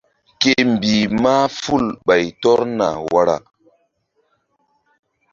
Ke mbih mahful ɓay tɔrna wara.